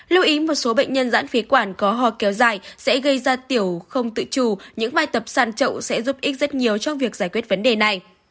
lưu ý một số bệnh nhân giãn phế quản có ho kéo dài sẽ gây ra tiểu không tự chủ những bài tập san trậu sẽ giúp ích rất nhiều trong việc giải quyết vấn đề này